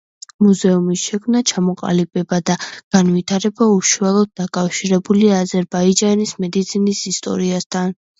მუზეუმის შექმნა, ჩამოყალიბება და განვითარება უშუალოდ დაკავშირებულია აზერბაიჯანის მედიცინის ისტორიასთან.